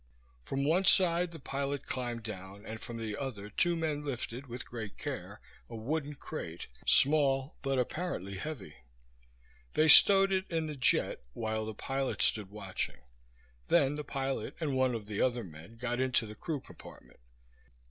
From one side the pilot climbed down and from the other two men lifted, with great care, a wooden crate, small but apparently heavy. They stowed it in the jet while the pilot stood watching; then the pilot and one of the other men got into the crew compartment.